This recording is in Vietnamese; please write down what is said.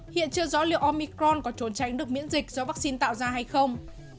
hiện chưa rõ liệu omicron có trốn tránh được miễn dịch do vaccine tạo ra hay không